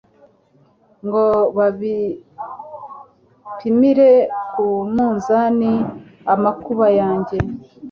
ngo bapimire ku munzani amakuba yanjye